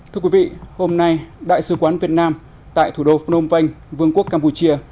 thưa quý vị hôm nay đại sứ quán việt nam tại thủ đô phnom penh vương quốc campuchia